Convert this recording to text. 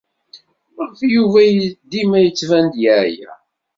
Maɣef Yuba dima yettban-d yeɛya?